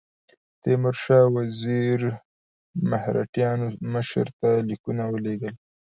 تیمورشاه وزیر مرهټیانو مشر ته لیکونه ولېږل.